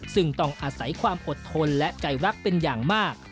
ซึ่งต้องอาศัยความอดทนและใจรักเป็นอย่างมาก